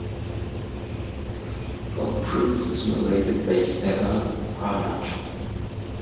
CogPrints is moderated by Stevan Harnad.